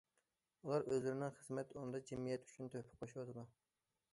ئۇلار ئۆزلىرىنىڭ خىزمەت ئورنىدا جەمئىيەت ئۈچۈن تۆھپە قوشۇۋاتىدۇ.